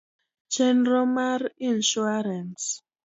Chenro mar insuarans